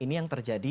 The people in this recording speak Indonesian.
ini yang terjadi